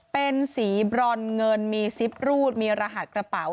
เป็นสีบรอนเงินมีซิปรูดมีรหัสกระเป๋า